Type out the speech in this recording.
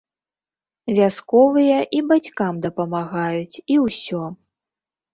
Вясковыя і бацькам дапамагаюць, і ўсё.